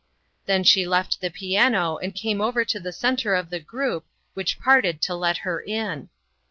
Then she left the piano, and came over to the centre of the cfroup, which parted to let her in.